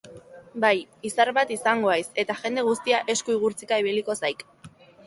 Bai, izar bat izango haiz, eta jende guztia esku-igurtzika ibiliko zaik.